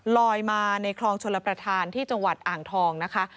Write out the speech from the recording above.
ลอยมาในคลองชลประธานที่จังหวัดอ่างทองนะคะ